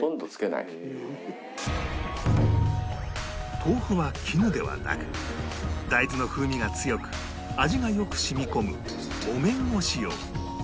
豆腐は絹ではなく大豆の風味が強く味がよく染み込む木綿を使用